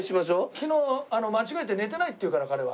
昨日間違えて寝てないって言うから彼が。